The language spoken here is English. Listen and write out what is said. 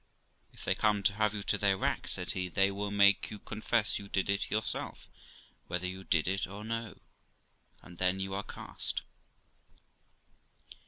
'If they come to have you to the rack'; said he, 'they will make you confess you did it yourself, whether you did it or no, and then you are cast.'